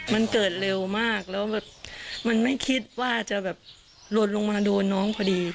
มันเกิดเร็วมากแล้วแบบมันไม่คิดว่าจะแบบหล่นลงมาโดนน้องพอดี